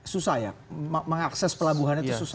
susah ya mengakses pelabuhan itu susah